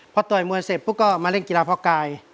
พอต่อยมวยเสร็จปุ๊บก็มาเล่นกีฬาพ่อกาย